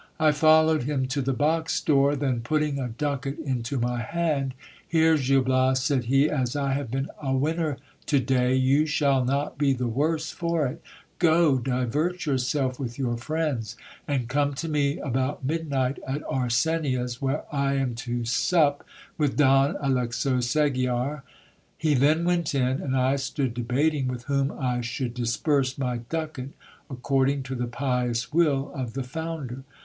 I followed him to the box ioor, then putting a ducat into my hand — Here, Gil Bias, said he, as I have been a winner to day, you shall not be the worse for it ; go, divert yourself with your friends, and come to me about midnight at Arsenia's, where I am to sup with Don Alexo Segiar. He then went in, and I stood debating with whom I should disburse my ducat, according to the pious will of the founder.